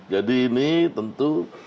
jadi ini tentu